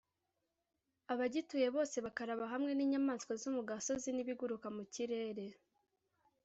abagituye bose bakaraba hamwe n inyamaswa zo mu gasozi n ibiguruka mu kirere